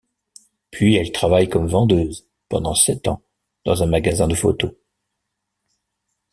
Puis elle travaille comme vendeuse, pendant sept ans, dans un magasin de photo.